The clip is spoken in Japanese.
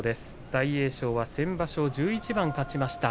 大栄翔は先場所、１１番勝ちました。